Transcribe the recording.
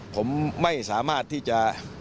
ผมไม่สามารถที่จะ